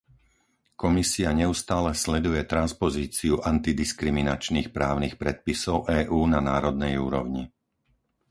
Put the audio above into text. Komisia neustále sleduje transpozíciu antidiskriminačných právnych predpisov EÚ na národnej úrovni.